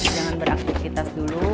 jangan beraktifitas dulu